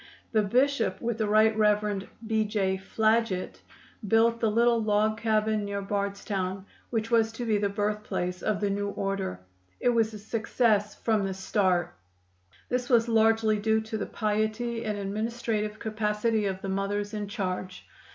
The Bishop, with the Right Rev. B. J. Flaget, built the little log cabin near Bardstown which was to be the birthplace of the new order. It was a success from the start. This was largely due to the piety and administrative capacity of the mothers in charge.